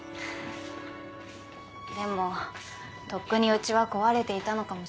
でもとっくにうちは壊れていたのかもしれません。